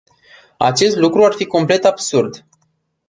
Acest lucru ar fi complet absurd.